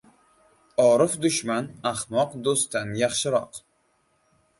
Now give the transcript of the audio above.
• Orif dushman ahmoq do‘stdan yaxshiroq.